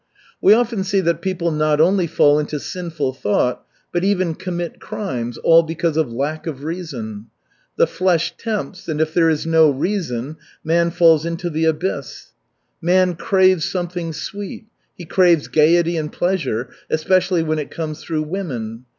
"We often see that people not only fall into sinful thought, but even commit crimes, all because of lack of reason. The flesh tempts, and if there is no reason, man falls into the abyss. Man craves something sweet, he craves gaiety and pleasure, especially when it comes through women.